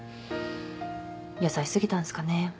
優しすぎたんですかね